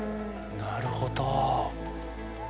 なるほど。